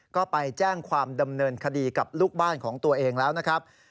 ก็ไปแจ้งความดำเนินคดีกับลูกบ้านของตัวเองแล้วนะครับ